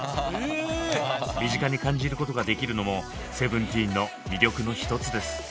身近に感じることができるのもＳＥＶＥＮＴＥＥＮの魅力の一つです。